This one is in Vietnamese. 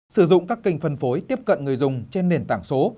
sử dụng các kênh phân phối tiếp cận người dùng trên nền tảng số